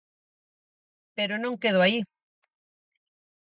Pero non quedo aí.